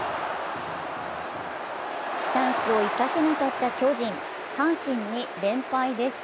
チャンスを生かせなかった巨人、阪神に連敗です。